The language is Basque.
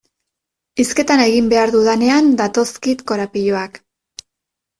Hizketan egin behar dudanean datozkit korapiloak.